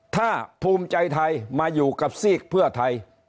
ถ้าภูมิใจไทยมาอยู่กับซีกเพื่อไทย